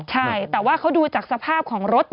ใช่แต่ว่าเขาดูจากสภาพของรถ